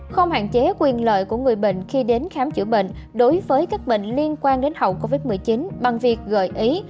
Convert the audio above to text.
không hạn chế quyền lợi của người bệnh khi đến khám chữa bệnh đối với các bệnh liên quan đến hậu covid một mươi chín bằng việc gợi ý